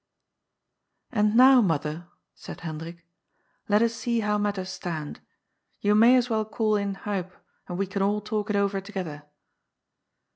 " And now, mother," said Hendrik, " let us see how mat ters stand. You may as well call in Huib, and we can all talk it over together."